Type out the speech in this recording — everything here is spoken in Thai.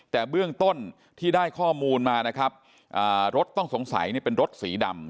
แต่เบื้องต้นที่ได้ข้อมูลมานะครับรถต้องสงสัยเนี่ยเป็นรถสีดำ